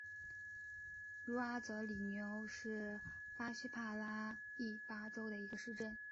茹阿泽里纽是巴西帕拉伊巴州的一个市镇。